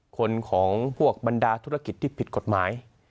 คนของพวกบรรดาธุรกิจที่ผิดกฎหมาย